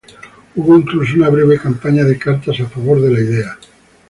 Hubo incluso una breve campaña de cartas a favor de la idea.